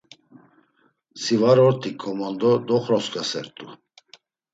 Si var ort̆iǩo mondo doxrosǩasert̆u!